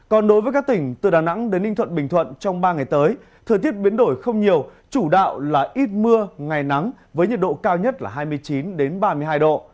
còn đối với các tỉnh từ đà nẵng đến ninh thuận bình thuận trong ba ngày tới thời tiết biến đổi không nhiều chủ đạo là ít mưa ngày nắng với nhiệt độ cao nhất là hai mươi chín ba mươi hai độ